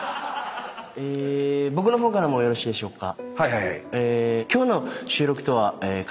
え僕の方からもよろしいでしょうか。